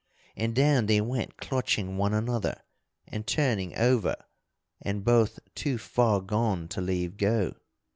And down they went clutching one another, and turning over, and both too far gone to leave go.